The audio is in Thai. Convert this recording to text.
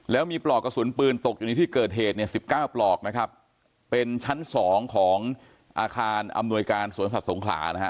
แล้วมีปลอกกระสุนปืนตกอยู่ในที่เกิดเหตุเนี่ยสิบเก้าปลอกนะครับเป็นชั้นสองของอาคารอำนวยการสวนสัตว์สงขลานะฮะ